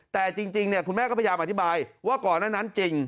แต่จริงคุณแม่ก็พยายามอธิบายว่าก่อนหน้านั้นจริง